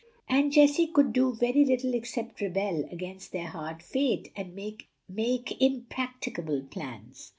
And Jessie could do very little except rebel against their hard fate and make impracticable plans.